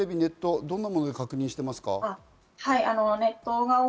どんなもので確認していますか？